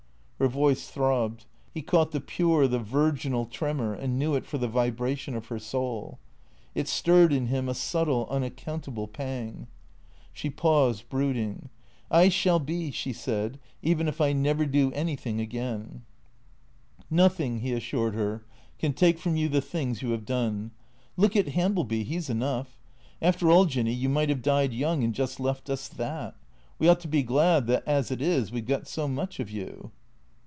Her voice throbbed. He caught the pure, the virginal, tremor, and knew it for the vibration of her soul. It stirred in him a subtle, unaccountable pang. She paused, brooding. " I shall be," she said, " even, if I never do anything again." " Nothing," he assured her, " can take from you the things you have done. Look at Hambleby. He 's enough. After all. Jinny, you might have died young and just left us that. We ought to be glad that, as it is, we 've got so much of you."